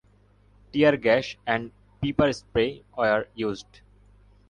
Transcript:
Tear gas and pepper spray were used.